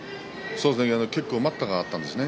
結構、待ったがあったんですね。